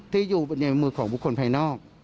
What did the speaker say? ที่อยู่ในมือของบุคคลภายนอก